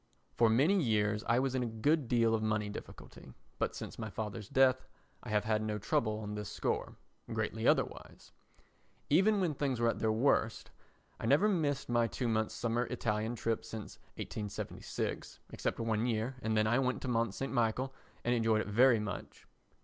For many years I was in a good deal of money difficulty, but since my father's death I have had no trouble on this score—greatly otherwise. Even when things were at their worst, I never missed my two months' summer Italian trip since 1876, except one year and then I went to Mont St. Michel and enjoyed it very much.